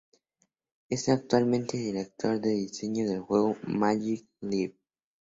Es actualmente Director de Diseño del Juego Magic Leap.